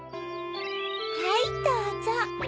はいどうぞ。